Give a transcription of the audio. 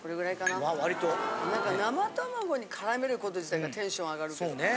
なんか生卵に絡めること自体がテンション上がるというか。